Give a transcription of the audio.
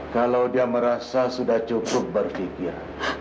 kalau dia merasa sudah cukup berpikir